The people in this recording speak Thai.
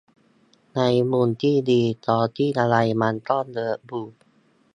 ในมุมที่ดี ตอนที่อะไรมันก็เวิร์กอยู่